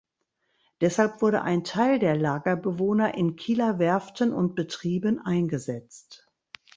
Deshalb wurde ein Teil der Lagerbewohner in Kieler Werften und Betrieben eingesetzt.